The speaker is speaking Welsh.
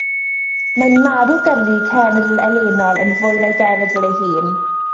Mae'n mawrygu cenedl elynol yn fwy na'i genedl ei hun.